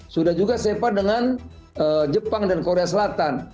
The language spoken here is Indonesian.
sudah juga sepa dengan jepang dan korea selatan